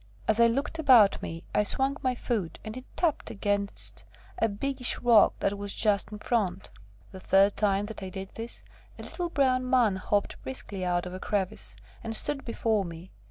As I looked about me, I swung my foot, and it tapped against a biggish rock that was just in front. The third time that I did this, a little brown man hopped briskly out of a crevice and stood before me.